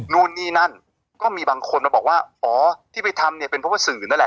นู่นนี่นั่นก็มีบางคนมาบอกว่าอ๋อที่ไปทำเนี่ยเป็นเพราะว่าสื่อนั่นแหละ